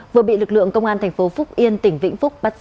vừa bị lực lượng công an thành phố phúc yên đưa đến